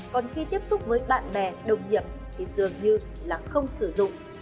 còn khi tiếp xúc với bạn bè đồng nghiệp thì dường như là không sử dụng